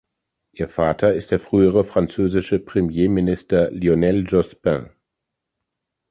Ihr Vater ist der frühere französische Premierminister Lionel Jospin.